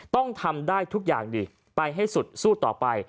ต้องทำได้ทุกอย่างดีไปให้สุดสู้ต่อไป